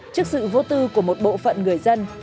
trước sự vô tư của một bộ phận người dân